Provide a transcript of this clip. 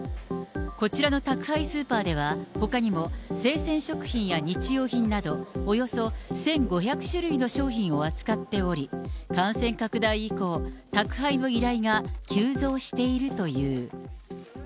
こちらの宅配スーパーでは、ほかにも生鮮食品や日用品など、およそ１５００種類の商品を扱っており、感染拡大以降、宅配の依頼が急増しているという。